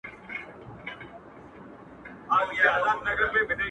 پــۀ تاجوړو کښې دې قدر پاتې نــۀ شو